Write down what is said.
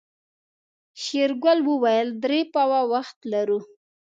شېرګل وويل درې پاوه وخت لرو.